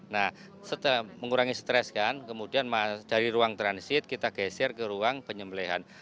nah setelah mengurangi stres kan kemudian dari ruang transit kita geser ke ruang penyembelihan